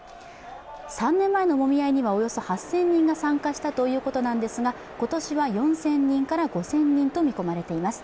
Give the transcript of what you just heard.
３年前のもみ合いには、およそ８０００人が参加したということなんですが、今年は４０００人から５０００人と見込まれています。